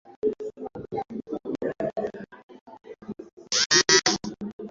malkia alikuwa gavana mkuu wa kanisa